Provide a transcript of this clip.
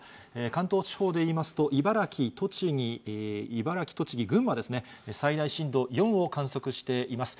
関東地方で言いますと、茨城、栃木、群馬ですね、最大震度４を観測しています。